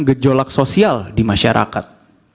gejolak sosial di masyarakat